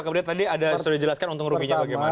kemudian tadi sudah dijelaskan untung rumi bagaimana